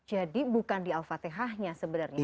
jadi bukan di al fatihahnya sebenarnya